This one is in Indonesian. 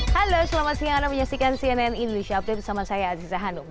halo selamat siang anda menyaksikan cnn indonesia update bersama saya aziza hanum